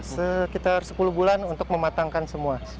sekitar sepuluh bulan untuk mematangkan semua